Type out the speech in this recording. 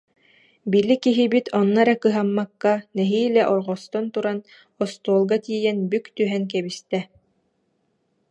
Били киһибит онно эрэ кыһаммакка, нэһиилэ орҕостон туран, остуолга тиийэн бүк түһэн кэбистэ